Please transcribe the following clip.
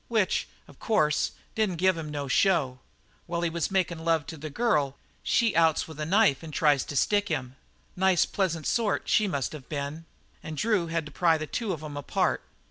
Which, of course, didn't give him no show. While he was makin' love to the girl she outs with a knife and tries to stick him nice, pleasant sort she must have been and Drew, he had to pry the two of 'em apart.